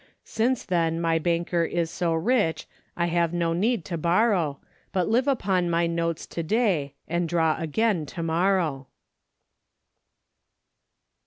"' Since, then, my banker is so rich, I have no need to borrow, But live upon my notes to day. And draw again to morrow.